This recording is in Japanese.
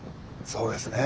そうですね。